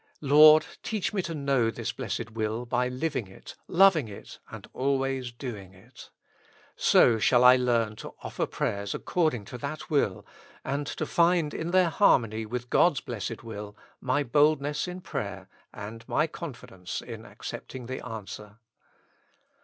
Lord ! teach me to know this blessed will by living it, loving it, and always doing it. So shall I learn to offer prayers according to that will, and to find in their harmony with God's blessed will, my boldness in prayer and my confidence in accepting the answer.